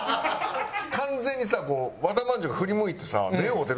完全にさもう和田まんじゅうが振り向いてさ。